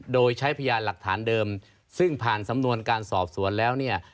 โดยใช้พยานหลักฐานเดิมซึ่งผ่านสำนวนการสอบสวนแล้วเนี่ย